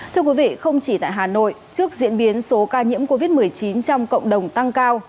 thưa quý vị không chỉ tại hà nội trước diễn biến số ca nhiễm covid một mươi chín trong cộng đồng tăng cao